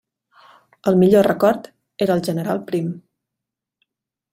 El millor record era el general Prim.